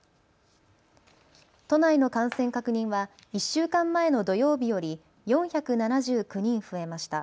都内の感染確認は１週間前の土曜日より４７９人増えました。